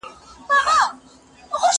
زه موسيقي اورېدلې ده!!